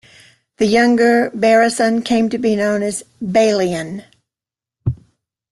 The younger Barisan came to be known as Balian.